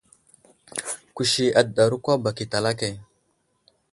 Kusi adəɗaro kwa bak i talake.